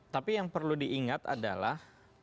tapi yang perlu diingat adalah